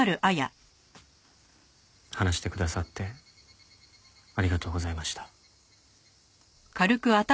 話してくださってありがとうございました。